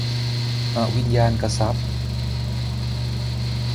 อวิญญาณกทรัพย์